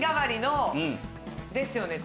ですよね。